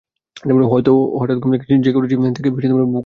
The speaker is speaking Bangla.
হয়তো হঠাৎ ঘুম থেকে জেগে উঠেছি, দেখি বুকের উপর সে চেপে বসে আছে।